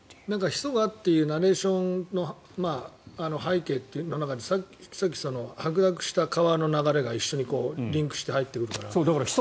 ヒ素がっていうナレーションの背景というのがさっき白濁した川の流れが一緒にリンクして入ってくるから。